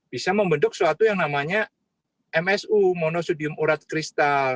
bisa membentuk suatu yang namanya msu monosudium urat kristal